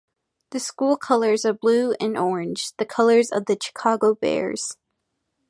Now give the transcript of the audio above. The school colors are blue and orange, the colors of the Chicago Bears.